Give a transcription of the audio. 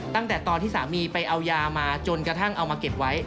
ตั้งแต่ตอนที่สามีไปเอายามาจนกระทั่งเอามาเก็บไว้